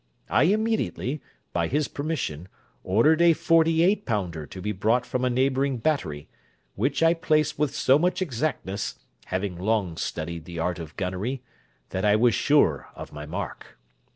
I immediately, by his permission, ordered a forty eight pounder to be brought from a neighbouring battery, which I placed with so much exactness (having long studied the art of gunnery) that I was sure of my mark.